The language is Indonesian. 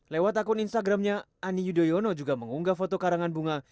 lewat akun instagramnya ani yudhoyono juga mengunggah foto karangan bunga